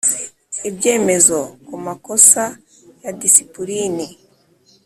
Ibyemezo ku makosa ya disipulini